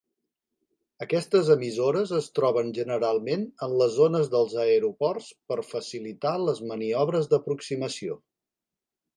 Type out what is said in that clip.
Aquestes emissores es troben generalment en les zones dels aeroports per facilitar les maniobres d'aproximació.